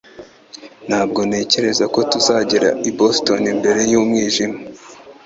Ntabwo ntekereza ko tuzagera i Boston mbere y'umwijima